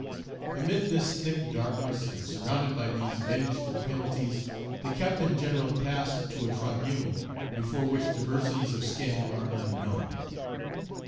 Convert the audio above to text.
Amid this thick darkness, and surrounded by these vengeful penalties, the Captain General passed to a tribunal before which diversities of skin are unknown.